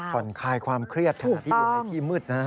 ผ่อนคายความเครียดขณะที่อยู่ในที่มืด